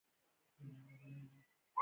زه یخ وهلی یم